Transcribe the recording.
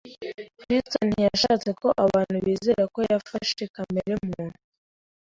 Kristo ntiyashatse ko abantu bizera ko yafashe kamere muntu;